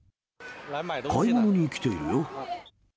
買い物に来ているよ。